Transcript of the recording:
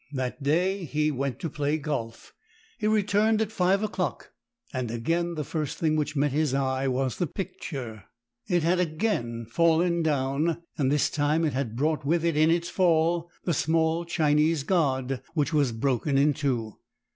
That day he went to play golf. He returned at five o'clock, and again the first thing which met his eye was the picture. It had again fallen down, and this time it had brought with it in its fall the small Chinese god, which was broken in two.